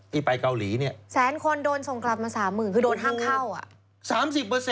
ไปเกาหลีเนี่ยแสนคนโดนส่งกลับมา๓๐๐๐คือโดนห้ามเข้าอ่ะ